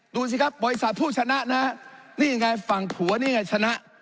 ดูสิครับบริษัทผู้ชนะนะฮะนี่ยังไงฝั่งผัวนี่ไงชนะ